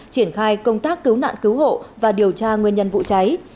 triển khai công tác cứu nạn cứu hộ và điều tra nguyên nhân vụ cháy